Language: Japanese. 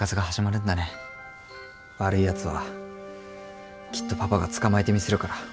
悪いやつはきっとパパが捕まえてみせるから。